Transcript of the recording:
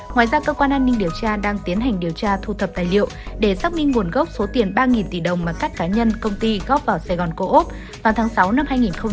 ngoài ra cơ quan an ninh điều tra đang tiến hành điều tra thu thập tài liệu để xác minh nguồn gốc số tiền ba tỷ đồng mà các cá nhân công ty góp vào sài gòn cổ úc vào tháng sáu năm hai nghìn hai mươi ba